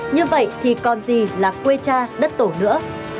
như vậy thì còn gì là quê cha đất tổ nữa